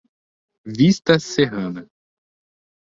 Vista Serrana